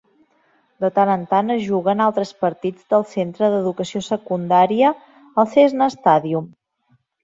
De tant en tant es juguen altres partits del centre d'educació secundària al Cessna Stadium.